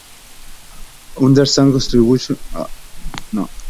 El arboreto está generalmente abierto al público todos los días del año.